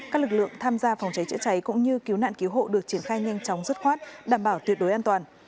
các lực lượng tham gia phòng trái chữa trái cũng như cứu nạn cứu hộ được triển khai nhanh chóng rứt khoát đảm bảo tuyệt đối an toàn